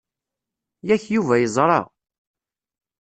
Yak, Yuba yeẓṛa.